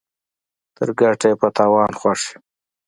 تر ګټه ئې په تاوان خوښ يو.